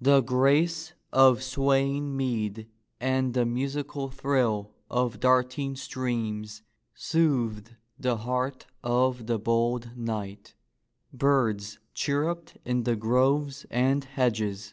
The grace of swaying mead and the musical thrill of darting streams soothed the heart of the bold knight. Birds chirruped in the groves and hedges.